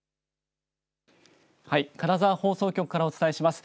はい金沢放送局からお伝えします。